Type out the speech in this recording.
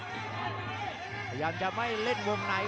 พยายามจะไม่เล่นวงใน